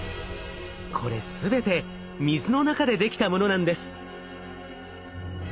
これ全て水の中で出来たものなんです。